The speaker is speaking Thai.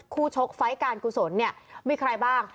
ชกไฟล์การกุศลเนี่ยมีใครบ้าง